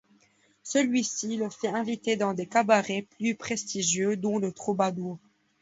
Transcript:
Celui-ci le fait inviter dans des cabarets plus prestigieux, dont le Troubadour.